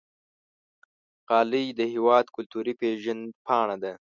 غالۍ د هېواد کلتوري پیژند پاڼه ده.